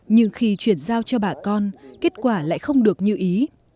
nhưng khi chuyển giao cho bà con kết quả lại không được như ý